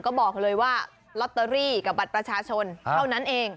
ก็บอกเลยว่าลอตเตอรี่กับบัตรประชาชนเท่านั้นเอง